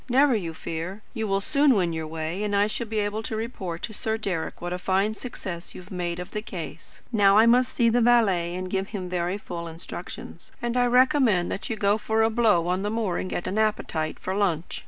Never you fear. You will soon win your way, and I shall be able to report to Sir Deryck what a fine success you have made of the case. Now I must see the valet and give him very full instructions. And I recommend you to go for a blow on the moor and get an appetite for lunch.